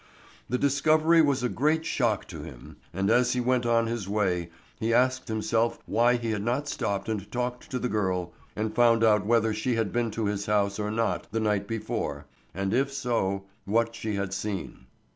The discovery was a great shock to him, and as he went on his way he asked himself why he had not stopped and talked to the girl and found out whether she had been to his house or not the night before, and if so, what she had seen.